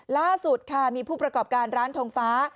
ล่าสุดค่ะมีผู้ประกอบการร้านทงฟ้า